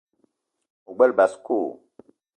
O gbele basko?